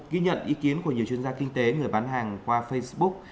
ghi nhận ý kiến của nhiều chuyên gia kinh tế người bán hàng qua facebook